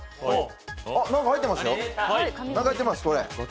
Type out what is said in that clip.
何か入ってますよ。